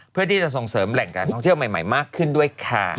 เพื่อที่จะส่งเสริมแหล่งการท่องเที่ยวใหม่มากขึ้นด้วยค่ะ